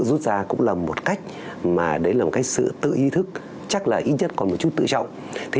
rút ra cũng là một cách mà đấy là một cái sự tự ý thức chắc là ít nhất còn một chút tự trọng